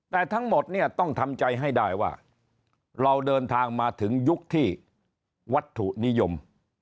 แต่ทั้งหมดเนี่ยต้องทำใจให้ได้ว่าเราเดินทางมาถึงยุคที่วัตถุนิยม